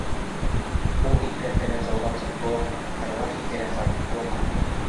Ул ипләп кенә залдан сыҡты ла йырлай-һикерә ҡайтты ла китте.